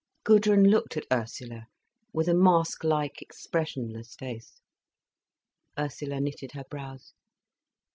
Gudrun looked at Ursula with a masklike, expressionless face. Ursula knitted her brows.